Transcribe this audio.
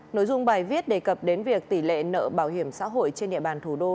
nội dung bài viết đề cập đến việc tỷ lệ nợ bảo hiểm xã hội trên địa bàn thủ đô